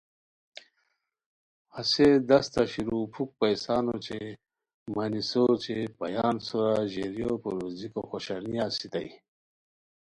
ہسے داستہ شیرو پُھک پیسان اوچے مانیسو اوچے پایان سورا ژیریو پرویزیکو خوشانیہ اسیتائے